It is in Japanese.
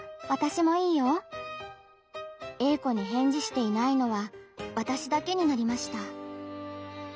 Ａ子に返事していないのはわたしだけになりました。